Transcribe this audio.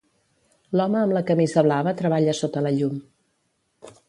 L'home amb la camisa blava treballa sota la llum.